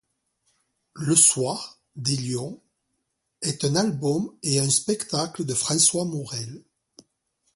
Le Soir, des lions… est un album et un spectacle de François Morel.